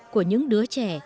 của những đứa trẻ